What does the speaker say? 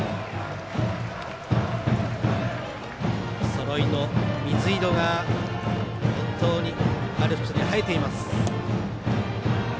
そろいの水色が本当にアルプスに映えています。